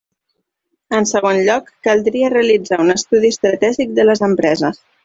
En segon lloc, caldria realitzar un estudi estratègic de les empreses.